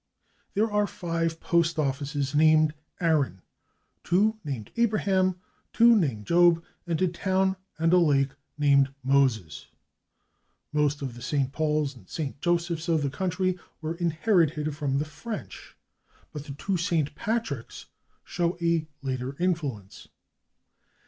There are five postoffices named /Aaron/, two named /Abraham/, two named /Job/, and a town and a lake named /Moses/. Most of the /St. Pauls/ and /St. Josephs/ of the country were inherited from the French, but the two /St. Patricks/ show a later influence.